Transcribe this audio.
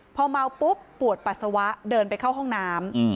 พอเมาปุ๊บปวดปัสสาวะเดินไปเข้าห้องน้ำ